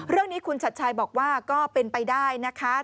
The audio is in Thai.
เรื่องนี้คุณชัดชัยบอกว่าก็เป็นไปได้นะคะ